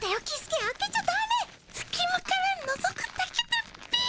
すき間からのぞくだけだっピ。